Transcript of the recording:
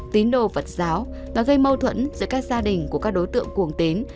tín đồ phật giáo và gây mâu thuẫn giữa các gia đình của các đối tượng cuồng tín